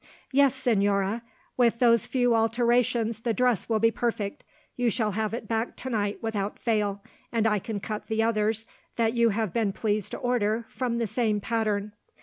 "Yes, Señora, with those few alterations the dress will be perfect. You shall have it back tonight without fail, and I can cut the others that you have been pleased to order from the same pattern.